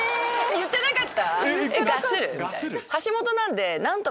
言ってなかった？